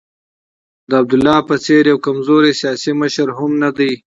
د عبدالله په څېر یو کمزوری سیاسي مشر مهم نه دی.